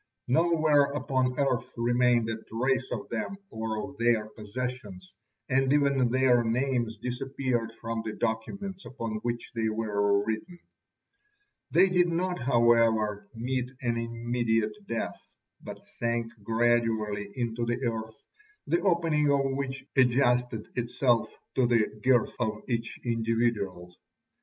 Nowhere upon earth remained a trace of them or of their possessions, and even their names disappeared from the documents upon which they were written. They did not, however, meet an immediate death, but sank gradually into the earth, the opening of which adjusted itself to the girth of each individual.